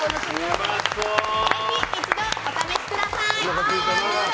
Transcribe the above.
せひ一度お試しください。